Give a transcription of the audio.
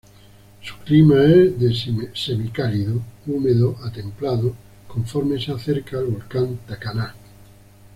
Su clima es de semicálido húmedo a templado conforme se acerca al volcán Tacaná.